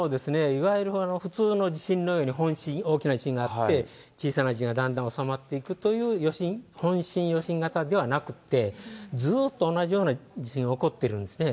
いわゆる普通の地震のように本震、大きな地震があって、小さな地震がだんだん収まっていくという余震、本震、余震型ではなくって、ずっと同じような地震が起こっているんですね。